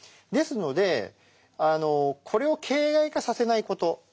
ですのでこれを形骸化させない事。